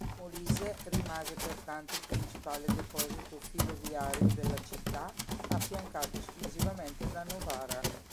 Molise rimase pertanto il principale deposito filoviario della città, affiancato esclusivamente da Novara.